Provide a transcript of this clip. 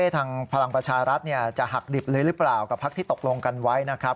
พลังประชารัฐจะหักดิบเลยหรือเปล่ากับพักที่ตกลงกันไว้นะครับ